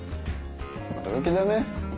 驚きだね。